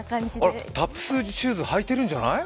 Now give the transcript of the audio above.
あら、タップシューズはいてるんじゃない？